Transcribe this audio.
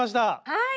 はい！